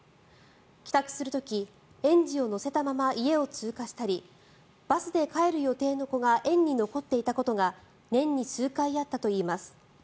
帰宅する時園児を乗せたまま家を通過したりバスで帰る予定の子が園に残っていたことが年に数回あったといいます。